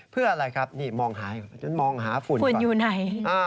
เพื่ออะไรครับนี่มองหา